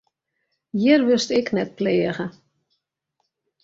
Hjir wurdst ek net pleage.